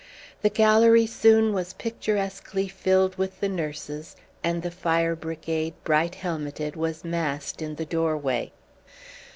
The gallery soon was picturesquely filled with the nurses, and the fire brigade, bright helmeted, was massed in the doorway.